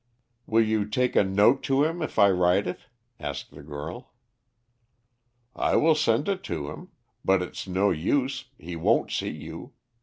"Will you take a note to him if I write it?" asked the girl. "I will send it in to him; but it's no use, he won't see you.